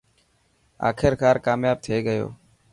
آخرڪار ڪامياب ٿي گيو.